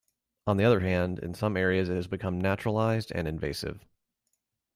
On the other hand, in some areas it has become naturalised and invasive.